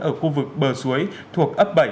ở khu vực bờ suối thuộc ấp bảy